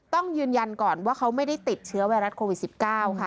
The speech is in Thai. ต้องยืนยันก่อนว่าเขาไม่ได้ติดเชื้อไวรัสโควิด๑๙ค่ะ